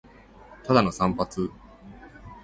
ただの散髪